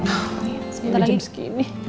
oh sebentar lagi